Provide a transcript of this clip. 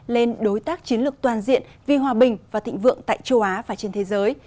lên đối tác chiến lược toàn diện vì hòa bình và thịnh vượng tại châu á và trên thế giới